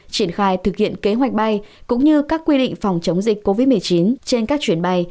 triển khai thực hiện kế hoạch bay cũng như các quy định phòng chống dịch covid một mươi chín trên các chuyến bay